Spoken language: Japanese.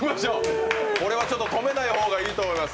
これはちょっと止めない方がいいと思います。